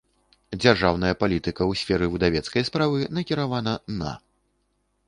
Дзяржаўная палiтыка ў сферы выдавецкай справы накiравана на.